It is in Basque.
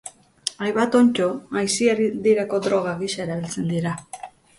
Hainbat onddo aisialdirako droga gisa erabiltzen dira.